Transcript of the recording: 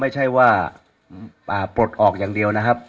ไม่ใช่ว่าปลดออกอย่างเดียวนะครับ